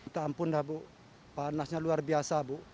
tampun dah bu panasnya luar biasa bu